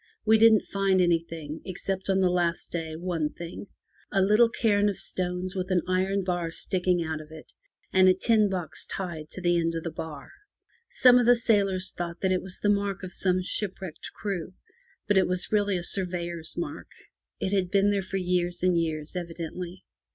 We didn't find anything, except on the last day one thing— a little cairn of stones with an iron bar sticking out of it, and a tin box tied to the end of the bar. Some of the sailors thought that it was the mark of some shipwrecked crew, but it was really a sur veyor's mark. It had been there for years and years evidently.